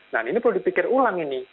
nah ini perlu dipikir ulang ini